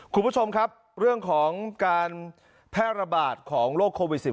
คุณผู้ชมครับเรื่องของการแพร่ระบาดของโรคโควิด๑๙